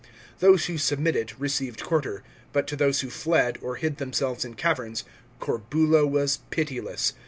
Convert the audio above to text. Those who submitted, received quarter ; but to those who fled, or hid themselves in caverns, Corbulo was pitiless.